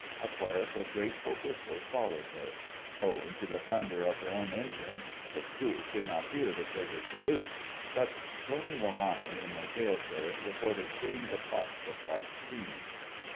A chorus of grateful whistles followed her. Owing to the thunder of her own engines, her crew could not hear the freighter's salutes, but Tony Romani in the tail turret reported seeing the puffs of white steam.